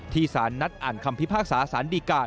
สารนัดอ่านคำพิพากษาสารดีกา